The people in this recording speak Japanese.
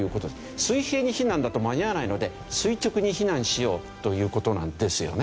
水平に避難だと間に合わないので垂直に避難しようという事なんですよね。